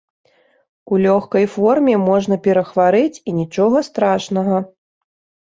У лёгкай форме можна перахварэць і нічога страшнага.